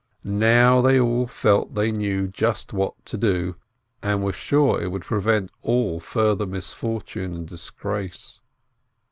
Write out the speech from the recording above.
Now they all felt they knew just what to do, and were sure it would prevent all further misfortune and disgrace.